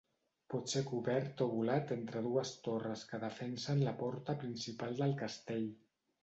Pot ser cobert o volat entre dues torres que defensen la porta principal del castell.